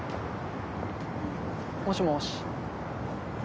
もしもし。